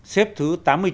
xếp thứ tám